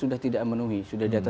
ada beberapa hal